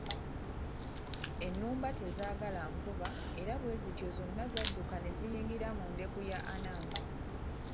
Ennumba tezaagala nkuba era bwe zityo zonna zadduka ne ziyingira mu ndeku ya Anansi.